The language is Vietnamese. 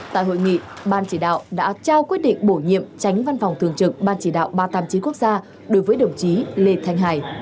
tại hội nghị ban chỉ đạo đã trao quyết định bổ nhiệm tránh văn phòng thường trực ban chỉ đạo ba trăm tám mươi chín quốc gia đối với đồng chí lê thanh hải